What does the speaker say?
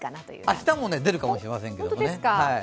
明日も出るかもしれませんけどね。